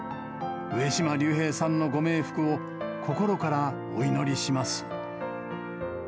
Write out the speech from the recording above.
上島竜兵さんのご冥福を、心からお祈りします。